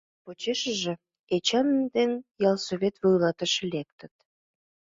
Почешыже Эчан ден ялсовет вуйлатыше лектыт.